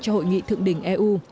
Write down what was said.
cho hội nghị thượng đỉnh eu